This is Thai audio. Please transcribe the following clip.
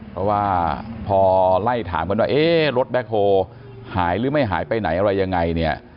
เพราะว่าพอไล่ถามกันว่าเอ๊ะรถแบ็คโฮลหายหรือไม่หายไปไหนอะไรยังไงเนี่ย